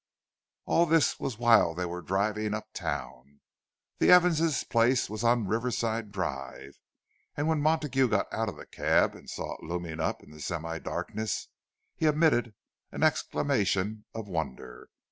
All this was while they were driving up town. The Evanses' place was on Riverside Drive; and when Montague got out of the cab and saw it looming up in the semi darkness, he emitted an exclamation of wonder.